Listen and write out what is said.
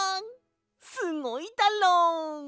すごいだろ！